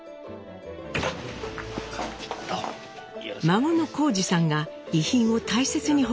孫の幸二さんが遺品を大切に保管していました。